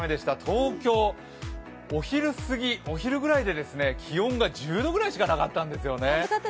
東京、お昼過ぎ、お昼ぐらいで気温が１０度ぐらいしかなかったんですよね。